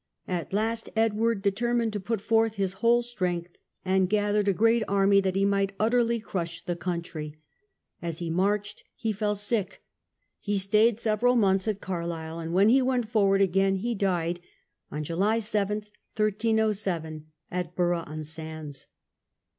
At last Edward determined to put forth his whole strength, and gathered a great army that he might utterly crush the country. As he marched he fell sick. He stayed several months at Carlisle, and when he went for ward again he died, on July 7, 1307, at Burgh on Sands.